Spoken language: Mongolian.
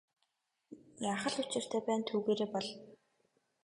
Яах л учиртай байна түүгээрээ бол.